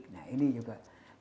nah ini juga